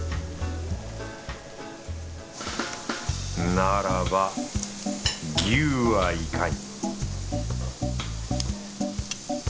ならば牛はいかに